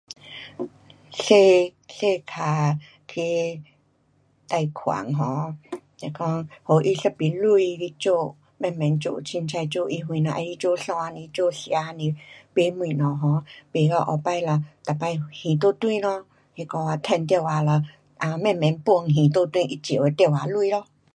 刷，刷卡跟贷款 um